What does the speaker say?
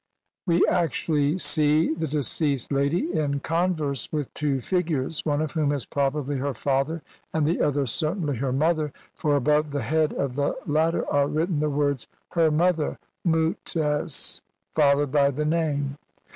Mus. No. 10,472) we actually see the deceased lady in converse with two figures, one of whom is probably her father and the other certainly her mother, for above the head of the latter are written the words "her mother" (mut s) followed by the name.